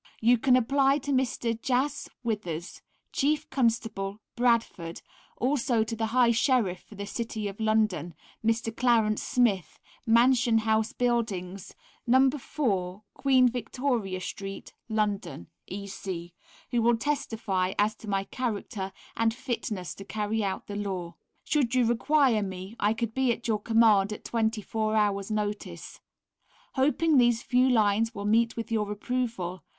You can apply to Mr. Jas. Withers, Chief Constable, Bradford, also to the High Sheriff for the City of London, Mr. Clarence Smith, Mansion House Buildings, 4, Queen Victoria Street, London, E.C., who will testify as to my character and fitness to carry out the Law. Should you require me I could be at your command at 24 hours' notice. Hoping these few lines will meet with your approval.